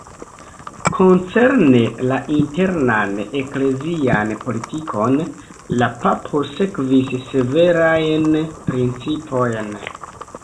Koncerne la internan eklezian politikon la papo sekvis severajn principojn.